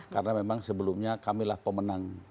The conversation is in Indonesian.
karena memang sebelumnya kamilah pemenang